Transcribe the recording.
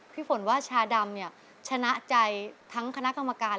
พี่ฝนว่าชาดำเนี่ยชนะใจทั้งคณะกรรมการ